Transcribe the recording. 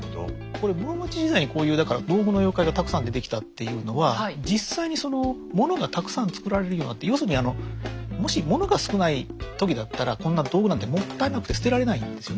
これ室町時代にこういうだから道具の妖怪がたくさん出てきたっていうのは実際にその物がたくさん作られるようになって要するにあのもし物が少ない時だったらこんな道具なんてもったいなくて捨てられないんですよね。